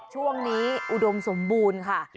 ช่วงนี้อุดมสมบูรณ์ค่ะ